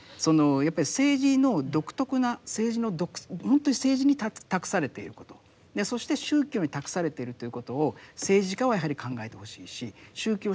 やっぱり政治の独特なほんとに政治に託されていることそして宗教に託されているということを政治家はやはり考えてほしいし宗教者は考えてほしいんですよね。